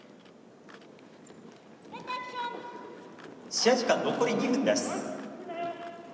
「試合時間残り２分です」。